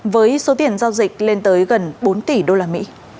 với số tiền giao dịch lên tới gần bốn tỷ usd